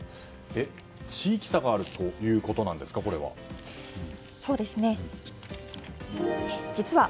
地域差があるということなんですか、これは。